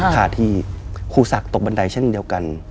ค่ะที่ครูศักดิ์ตกบันไดเช่นเดียวกัน